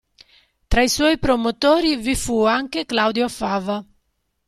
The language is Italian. Tra i suoi promotori vi fu anche Claudio Fava.